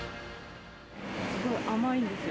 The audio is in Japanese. すごく甘いんですよ。